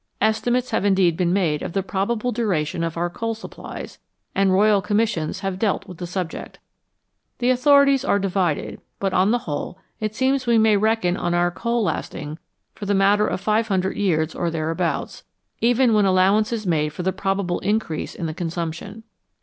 Estimates have indeed been made of the probable duration of our coal supplies, and Royal Commissions have dealt with the subject. The authorities are divided, but, on the whole, it seems we may reckon on our coal lasting for the matter of five hundred years or thereabouts, even when allowance is made for the probable increase in the con sumption.